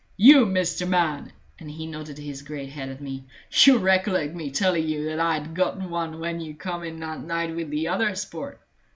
You, Mr. Man," and he nodded his great head at me, "you'll recollect me telling you that I'd gotten one when you come in that night with the other sport?